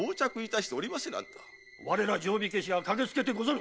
我ら定火消しが駆けつけてござる！